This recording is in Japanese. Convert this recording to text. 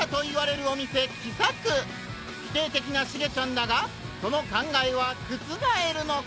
否定的なシゲちゃんだがその考えは覆るのか？